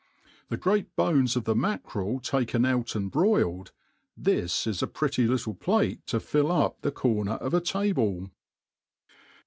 The great bones of the mackerel taken out and broiled, is a pretty little plate to fill up the corner of a table.